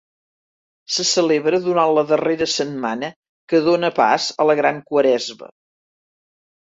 Se celebra durant la darrera setmana que dóna pas a la Gran Quaresma.